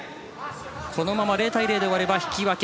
このまま０対０で終われば引き分け。